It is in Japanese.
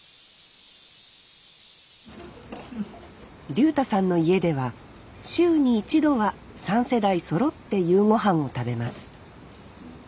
竜太さんの家では週に１度は３世代そろって夕御飯を食べます